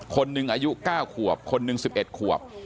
คนหนึ่งอายุ๙ขวบคนหนึ่ง๑๑ขวบ